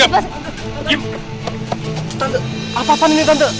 tante apa apaan ini tante